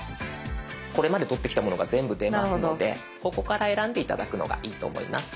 これまで撮ってきたものが全部出ますのでここから選んで頂くのがいいと思います。